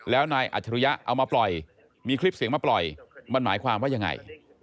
แล้วนายอัจฉริยะเอามาปล่อยมีคลิปเสียงมาปล่อยมันหมายความว่ายังไง